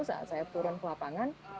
saat saya turun ke lapangan